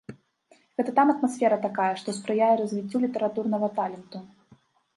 Гэта там атмасфера такая, што спрыяе развіццю літаратурнага таленту?